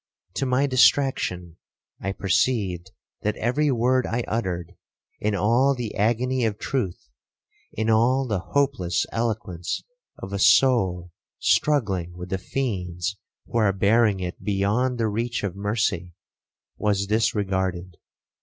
To my distraction, I perceived that every word I uttered, in all the agony of truth,—in all the hopeless eloquence of a soul struggling with the fiends who are bearing it beyond the reach of mercy, was disregarded.